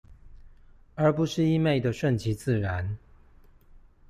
而不是一昧地順其自然